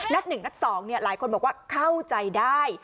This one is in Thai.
นัดหนึ่งนัดสองเนี่ยหลายคนบอกว่าเข้าใจได้